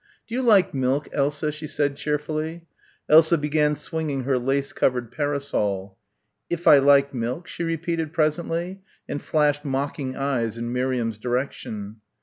"Do you like milk, Elsa?" she said cheerfully. Elsa began swinging her lace covered parasol. "If I like milk?" she repeated presently, and flashed mocking eyes in Miriam's direction.